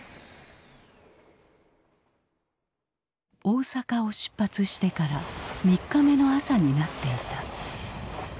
大阪を出発してから３日目の朝になっていた。